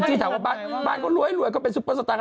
ที่ถามว่าบ้านเขารวยก็เป็นซุปเปอร์สตาร์